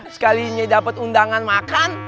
sekalinya dapet undangan makan